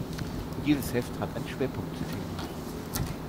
Jedes Heft hat ein Schwerpunktthema.